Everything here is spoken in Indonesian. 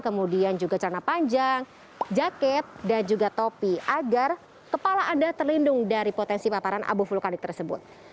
kemudian juga celana panjang jaket dan juga topi agar kepala anda terlindung dari potensi paparan abu vulkanik tersebut